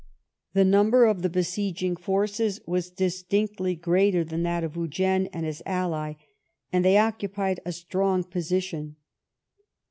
The num ber of the besieging forces was distinctly greater than that of Eugene and his ally, and they occupied a strong position.